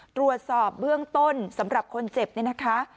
ตรวจสอบเบื้องต้นสำหรับคนเจ็บเนี่ยนะคะ